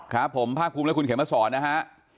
ครับผมภาคภูมิและคุณเขมสอนนะฮะ